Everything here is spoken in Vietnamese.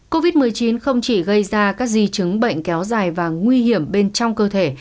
covid một mươi chín không chỉ gây ra các di chứng bệnh kéo dài và nguy hiểm bên trong cơ thể